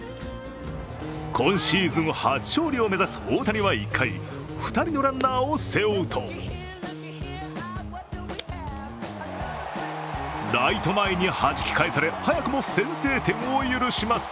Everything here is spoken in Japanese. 今シーズン初勝利を目指す大谷は１回、２人のランナーを背負うとライト前にはじき返され、早くも先制点を許します。